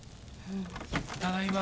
ただいま。